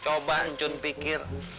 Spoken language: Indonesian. coba ancun pikir